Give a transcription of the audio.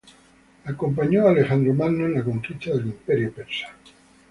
Acompañó a Alejandro Magno en la conquista del Imperio persa.